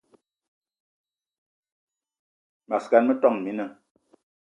Mas gan, metόn mina